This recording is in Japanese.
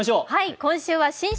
今週は「新春！